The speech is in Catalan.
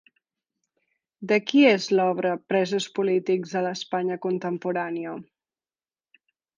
De qui és l'obra 'Presos polítics a l'Espanya contemporània'?